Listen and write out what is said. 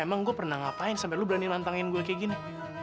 emang gua pernah ngapain sampe lu berani nantangin gua kayak gini